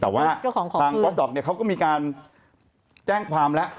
แต่ว่าทางวัดดอกเนี่ยเขาก็มีการแจ้งความแล้ว